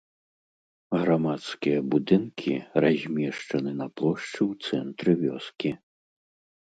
Грамадскія будынкі размешчаны на плошчы ў цэнтры вёскі.